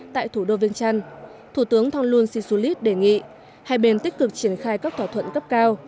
tại thủ đô vương trăn thủ tướng thong luân si su lít đề nghị hai bên tích cực triển khai các thỏa thuận cấp cao